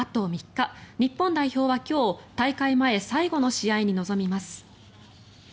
日本代表は今日大会前最後の試合に臨みます。